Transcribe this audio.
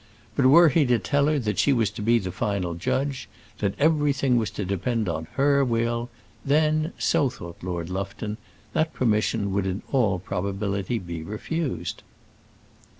But were he to tell her that she was to be the final judge, that everything was to depend on her will, then, so thought Lord Lufton, that permission would in all probability be refused.